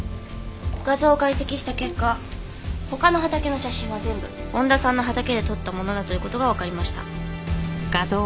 画像を解析した結果他の畑の写真は全部恩田さんの畑で撮ったものだという事がわかりました。